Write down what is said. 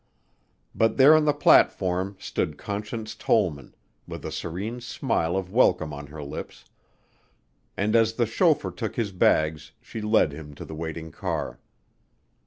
But there on the platform stood Conscience Tollman, with a serene smile of welcome on her lips, and as the chauffeur took his bags she led him to the waiting car.